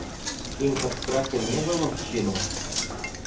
Им от страха небо в овчину?